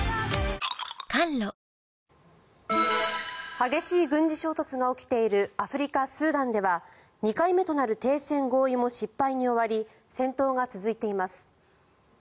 激しい軍事衝突が起きているアフリカ・スーダンでは２回目となる停戦合意も失敗に終わり戦闘が続いています。